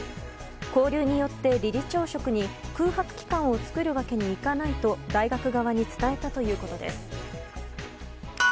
勾留によって理事長職に空白期間を作るわけにいかないと大学側に伝えたということです。